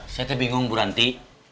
saya tuh bingung bu ranti